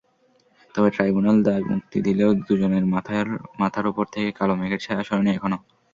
তবে ট্রাইব্যুনাল দায়মুক্তি দিলেও দুজনের মাথার ওপর থেকে কালো মেঘের ছায়া সরেনি এখনো।